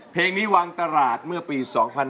เพลงนี้วางตลาดเมื่อปี๒๕๕๙